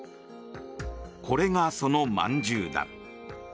これがそのまんじゅうだ。